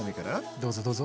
どうぞどうぞ！